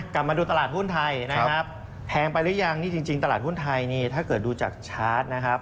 กลับมาดูตลาดหุ้นไทยนะครับแพงไปหรือยังนี่จริงตลาดหุ้นไทยนี่ถ้าเกิดดูจากชาร์จนะครับ